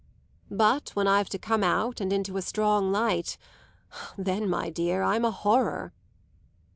But when I've to come out and into a strong light then, my dear, I'm a horror!"